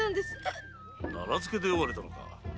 奈良漬けで酔われたのか。